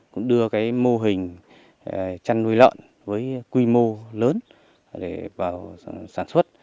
cũng đưa mô hình chăn nuôi lợn với quy mô lớn vào sản xuất